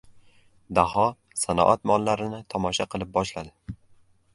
Daho sanoat mollarini tomosha qilib boshladi.